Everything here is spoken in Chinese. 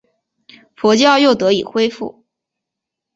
佛教又得以恢复。